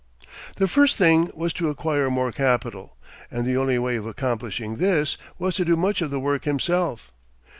The first thing was to acquire more capital; and the only way of accomplishing this was to do much of the work himself.